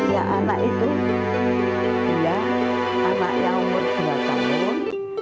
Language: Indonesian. ya anak itu dia anaknya umur dua tahun